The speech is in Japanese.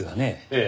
ええ。